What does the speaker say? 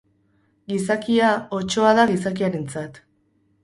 Gizakia, otsoa da gizakiarentzat